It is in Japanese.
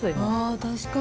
確かに。